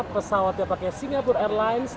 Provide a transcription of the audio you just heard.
pesawatnya pakai singapore airlines